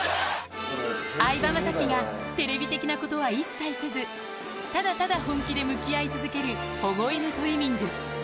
相葉雅紀がテレビ的なことは一切せず、ただただ本気で向き合い続ける保護犬トリミング。